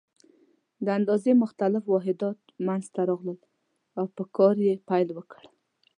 د اندازې مختلف واحدات منځته راغلل او په کار یې پیل وکړ.